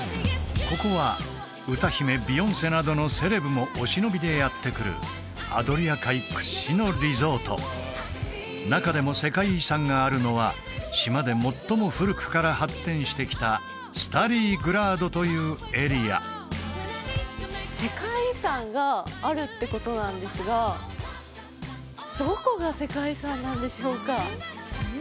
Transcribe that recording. ここは歌姫ビヨンセなどのセレブもお忍びでやって来るアドリア海屈指のリゾート中でも世界遺産があるのは島で最も古くから発展してきたスタリー・グラードというエリア世界遺産があるってことなんですがどこが世界遺産なんでしょうか？